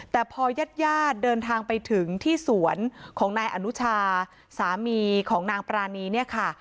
แต่พอญาติญาติเดินทางไปถึงที่สวนของนายอนุชาสามีของนางปรานีเนี่ยค่ะ